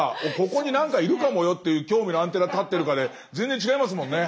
ここに何かいるかもよっていう興味のアンテナ立ってるかで全然違いますもんね。